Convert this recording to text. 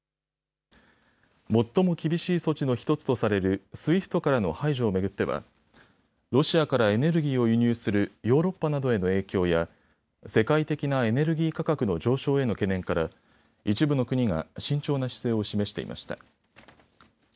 最も厳しい措置の１つとされるＳＷＩＦＴからの排除を巡ってはロシアからエネルギーを輸入するヨーロッパなどへの影響や世界的なエネルギー価格の上昇への懸念から一部の国が慎重な姿勢を示していました。